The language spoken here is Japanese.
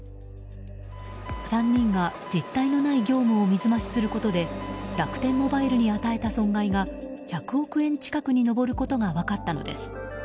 ３人が実態のない業務を水増しすることで楽天モバイルに与えた損害が１００億円近くに上ることが分かったのです。